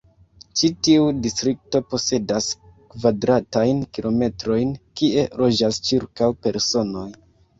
Ĉi tiu distrikto posedas kvadratajn kilometrojn, kie loĝas ĉirkaŭ personoj.